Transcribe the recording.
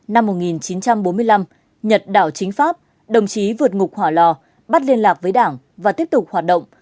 năm một nghìn chín trăm bốn mươi năm nhật đảo chính pháp đồng chí vượt ngục hỏa lò bắt liên lạc với đảng và tiếp tục hoạt động